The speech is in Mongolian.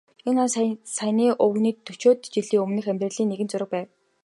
Энэ бол саяын өвгөний дөчөөд жилийн өмнөх амьдралын нэгэн зураг байв.